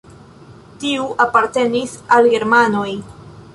Tiu apartenis al germanoj.